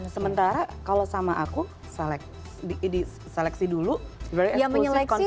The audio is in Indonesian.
sementara kalau sama aku diseleksi dulu very exclusive confidential